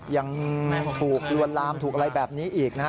ยังถูกลวนลามถูกอะไรแบบนี้อีกนะฮะ